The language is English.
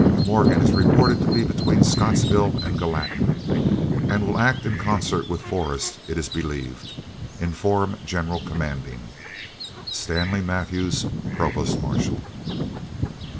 Morgan is reported to be between Scottsville and Gallatin, and will act in concert with Forrest, it is believed. Inform general commanding. STANLEY MATHEWS, Provost Marshal.